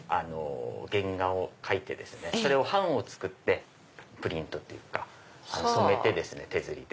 原画を描いてそれの版を作ってプリントというか染めて手刷りで。